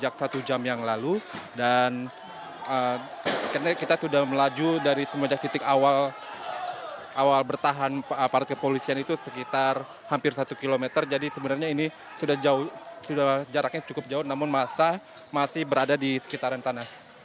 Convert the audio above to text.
pada awal bertahan apart kepolisian itu sekitar hampir satu km jadi sebenarnya ini sudah jaraknya cukup jauh namun masa masih berada di sekitaran tanah